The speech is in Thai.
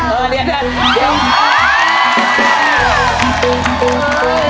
เออเดี๋ยว